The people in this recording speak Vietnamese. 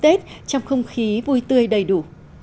tết trong không khí vui tươi đầy đủ